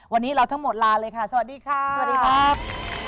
วันนี้เราทั้งหมดลาเลยค่ะสวัสดีครับ